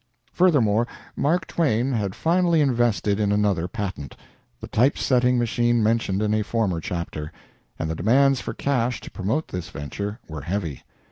Furthermore, Mark Twain had finally invested in another patent, the type setting machine mentioned in a former chapter, and the demands for cash to promote this venture were heavy.